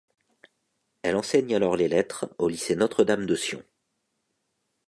Elle enseigne alors les lettres au Lycée Notre-Dame de Sion.